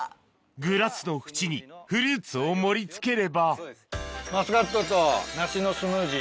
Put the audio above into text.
グラスの縁にフルーツを盛り付ければマスカットと梨のスムージー。